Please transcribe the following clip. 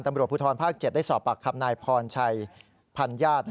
ตำรวจภูทรภาค๗ได้สอบปากคำนายพรชัยพันญาติ